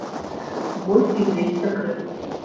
Вось і ўвесь сакрэт.